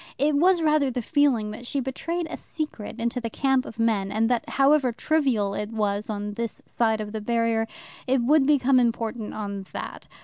It was rather the feeling that she betrayed a secret into the camp of men, and that, however trivial it was on this side of the barrier, it would become important on that.